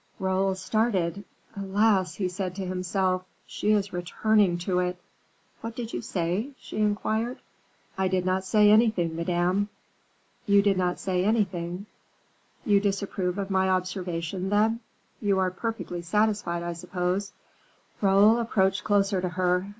Raoul started. "Alas!" he said to himself, "she is returning to it." "What did you say?" she inquired. "I did not say anything Madame." "You did not say anything; you disapprove of my observation, then? you are perfectly satisfied, I suppose?" Raoul approached closer to her.